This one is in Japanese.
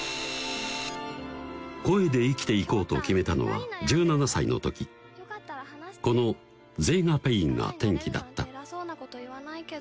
声で生きていこうと決めたのは１７歳の時この「ゼーガペイン」が転機だった「